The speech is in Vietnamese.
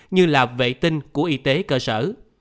như là vệ tinh của y tế cơ sở